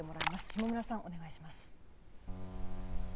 下村さん、お願いします。